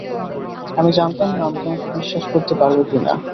আমি জানতাম না, আমি তোমাকে বিশ্বাস করতে পারবো কিনা।